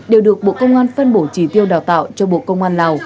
đều được bộ công an phân bổ trí tiêu đào tạo cho bộ công an lào